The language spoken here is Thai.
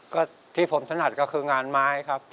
ก็ที่ผมถนัดก็คืองานไม้ครับ